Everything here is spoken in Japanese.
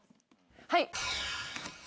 はい。